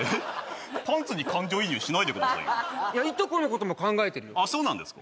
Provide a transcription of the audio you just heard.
パンツに感情移入しないでくださいよいやいとこのことも考えてるよそうなんですか